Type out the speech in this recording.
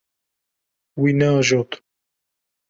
Wî neajot.